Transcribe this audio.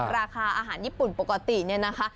ราคาอาหารญี่ปุ่นปกติเนี่ยนะคะ